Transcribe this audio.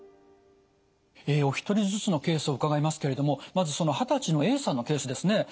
お一人ずつのケースを伺いますけれどもまず二十歳のＡさんのケースですね。